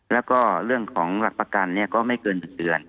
แล้วก็เรื่องของหลักประกันก็ไม่เกิน๑เดือน